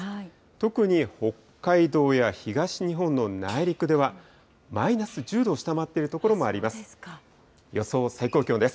特に北海道や東日本の内陸では、マイナス１０度を下回っている所もあります。